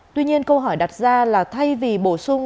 tuy nhiên câu hỏi đáng lo ngại trong cơ cấu nhân lực việt nam hiện nay